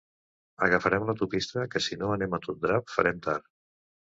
Agafarem l'autopista que si no anem a tot drap, farem tard.